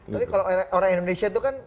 tapi kalau orang indonesia itu kan